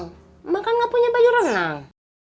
berenang makan gak punya baju berenang